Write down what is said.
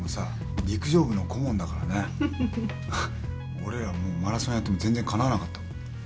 俺らマラソンやっても全然かなわなかった。